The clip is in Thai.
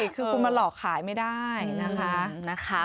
คือคุณมาหลอกขายไม่ได้นะคะ